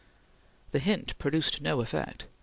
The hint produced no effect.